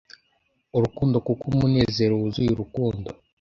urukundo kuko umunezero wuzuye urukundo